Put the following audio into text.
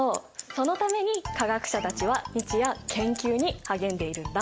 そのために科学者たちは日夜研究に励んでいるんだ。